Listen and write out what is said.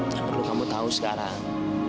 dan perlu kamu tahu sekarang